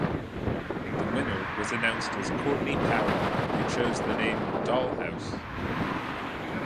The winner was announced as Courtney Powell who chose the name "Dollhouse".